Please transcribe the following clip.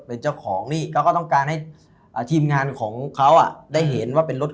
เป็นเจ้าของนี่เขาก็ต้องการให้ทีมงานของเขาอ่ะได้เห็นว่าเป็นรถ